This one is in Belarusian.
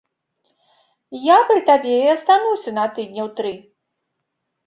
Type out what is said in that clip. Я пры табе і астануся на тыдняў тры.